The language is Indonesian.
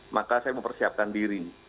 maka saya mempersiapkan diri